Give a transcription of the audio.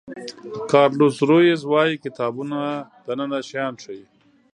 کارلوس رویز وایي کتابونه دننه شیان ښیي.